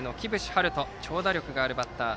遥斗長打力があるバッター。